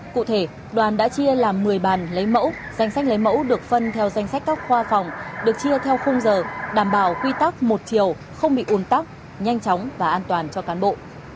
cụ thể đoàn đã chia làm một mươi bàn lấy mẫu danh sách lấy mẫu được phân theo danh sách các khoa phòng được chia theo khung giờ đảm bảo quy tắc một chiều không bị ùn tắc nhanh chóng và an toàn cho cán bộ